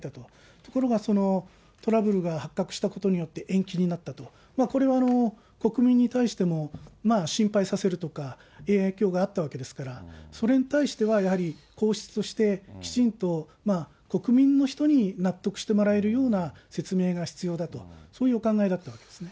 ところがトラブルが発覚したことによって延期になったと、これは国民に対しても、心配させるとか、影響があったわけですから、それに対してはやはり、皇室としてきちんと国民の人に納得してもらえるような説明が必要だと、そういうお考えだったわけですね。